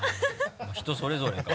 人それぞれか。